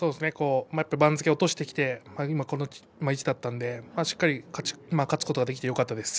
番付を落としてきて今この位置だったのでしっかり勝つことができてよかったです。